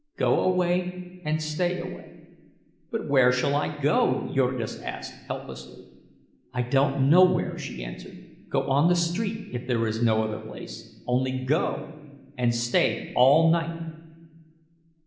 Go away and stay away." "But where shall I go?" Jurgis asked, helplessly. "I don't know where," she answered. "Go on the street, if there is no other place—only go! And stay all night!"